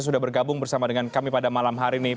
sudah bergabung bersama dengan kami pada malam hari ini